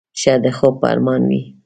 ښه د خوب په ارمان وې.